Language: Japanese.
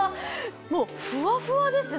もうふわふわですね。